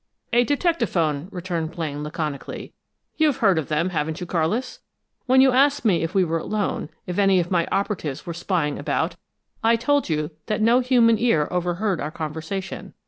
"A detectaphone," returned Blaine laconically. "You've heard of them, haven't you, Carlis? When you asked me if we were alone, if any of my operatives were spying about, I told you that no human ear overheard our conversation.